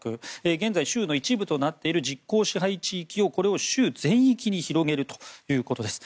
現在、州の一部となっている実効支配地域を州全域に広げるということです。